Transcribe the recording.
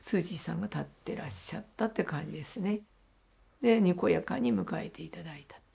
でにこやかに迎えて頂いたと。